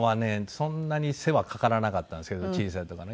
そんなに世話かからなかったんですけど小さいとかの。